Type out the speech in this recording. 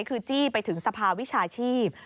คือจี้ไปถึงสภาวิชาชีพ